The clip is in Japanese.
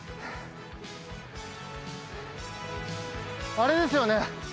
あれですよね？